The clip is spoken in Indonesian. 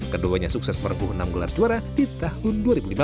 keduanya sukses merebuh enam gelar juara di tahun dua ribu lima belas